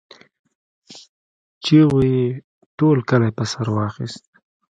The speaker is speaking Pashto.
چيغو يې ټول کلی په سر واخيست.